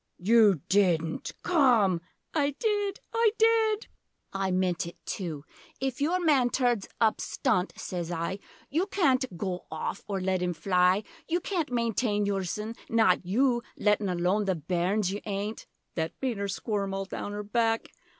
You didn't Come! I did I did! I meant it too. 'If your man turns up stunt,' sez I, 'You can't goa off, or let him fly; You can't maintain yoursen not you! Lettin' aloan the bairns, you 'aint!' (That made her squirm all down her back!)